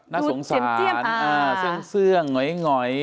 น่าสงสารดูเจียมเจียมอ่าเสื้องเสื้องหน่อยหน่อย